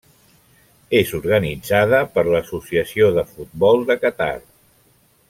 És organitzada per l'Associació de Futbol de Qatar.